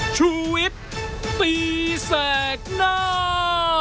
ชูเวทตีแสดหน้า